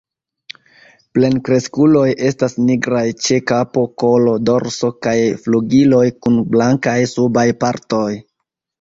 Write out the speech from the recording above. Plenkreskuloj estas nigraj ĉe kapo, kolo, dorso kaj flugiloj kun blankaj subaj partoj.